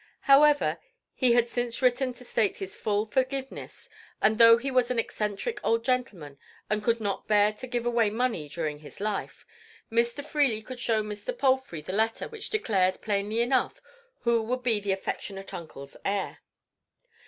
However, he had since written to state his full forgiveness, and though he was an eccentric old gentleman and could not bear to give away money during his life, Mr. Edward Freely could show Mr. Palfrey the letter which declared, plainly enough, who would be the affectionate uncle's heir.